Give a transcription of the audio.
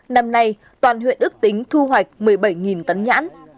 năm nay toàn huyện ước tính thu hoạch một mươi bảy tấn nhãn